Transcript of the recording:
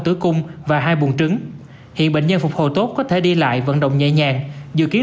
tử cung và hai bùn trứng hiện bệnh nhân phục hồi tốt có thể đi lại vận động nhẹ nhàng dự kiến